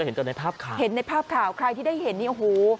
เห็นตอนในภาพข่าวเห็นในภาพข่าวใครที่ได้เห็นนี่โอ้โห